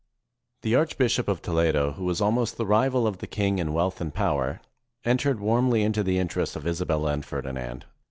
The Archbishop of Toledo, who was almost the rival of the king in wealth and power, en tered warmly into the interests of Isabella and Ferdi nand.